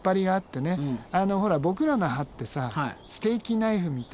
あのほらボクらの歯ってさステーキナイフみたいにさ。